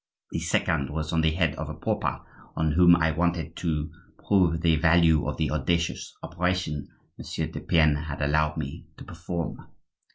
The second was on the head of a pauper, on whom I wanted to prove the value of the audacious operation Monsieur de Pienne had allowed me to perform.